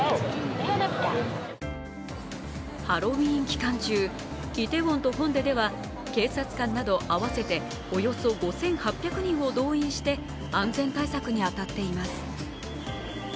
ハロウィーン期間中、イテウォンとホンデでは警察官など合わせて５８００人を動員して安全対策に当たっています。